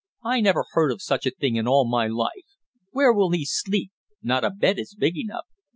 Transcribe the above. "I never heard of such a thing in all my life! Where will he sleep? Not a bed is big enough!"